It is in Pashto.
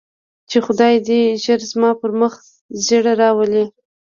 چې خداى دې ژر زما پر مخ ږيره راولي.